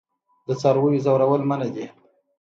د څارویو ځورول منع دي.